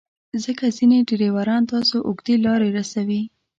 ځکه ځینې ډریوران تاسو اوږدې لارې رسوي.